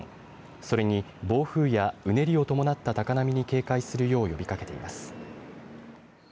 それに暴風や、うねりを伴った高波に警戒するよう呼びかけています。